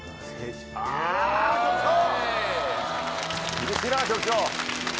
うれしいな局長。